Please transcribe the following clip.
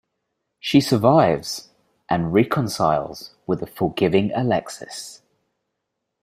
She survives, and reconciles with a forgiving Alexis.